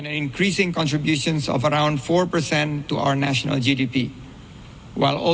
dan peningkatan empat pada gdp nasional kita